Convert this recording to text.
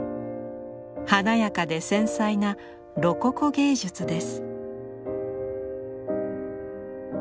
華やかで繊細なロココ芸術です。